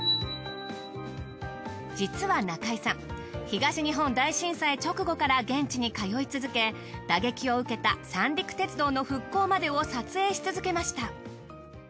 実は中井さん東日本大震災直後から現地に通い続け打撃を受けた三陸鉄道の復興までを撮影し続けました。